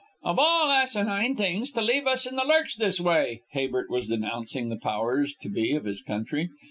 "Of all asinine things, to leave us in the lurch this way!" Habert was denouncing the powers that be of his country.